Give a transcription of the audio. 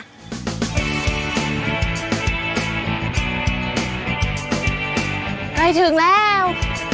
ใกล้ถึงแล้ว